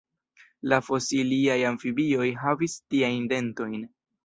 La fosiliaj amfibioj havis tiajn dentojn.